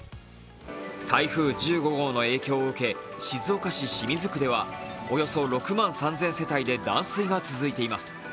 台風１５号の影響を受け静岡市清水区ではおよそ６万３０００世帯で断水が続いています。